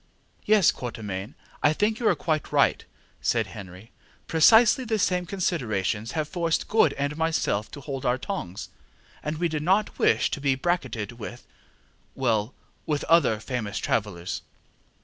ŌĆØ ŌĆ£Yes, Quatermain, I think you are quite right, ŌĆØ said Sir Henry. ŌĆ£Precisely the same considerations have forced Good and myself to hold our tongues. We did not wish to be bracketed with well, with other famous travellers.